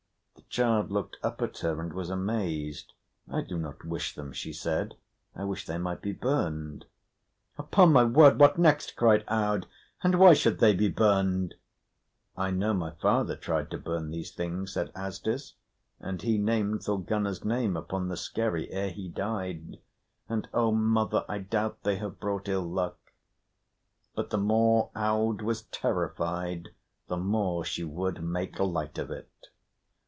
The child looked at her and was amazed. "I do not wish them," she said. "I wish they might be burned." "Upon my word, what next?" cried Aud. "And why should they be burned?" "I know my father tried to burn these things," said Asdis, "and he named Thorgunna's name upon the skerry ere he died. And, O mother, I doubt they have brought ill luck." But the more Aud was terrified, the more she would make light of it.